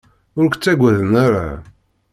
Ur k-ttagaden ara.